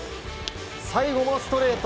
最後もストレート。